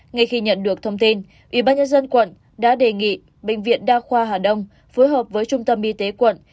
ngay khi nhận được thông tin ubnd quận đã đề nghị bệnh viện đa khoa hà đông phối hợp với trung tâm y tế quận